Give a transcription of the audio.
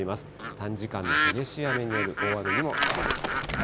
短時間の激しい雨による大雨にも注意をしてください。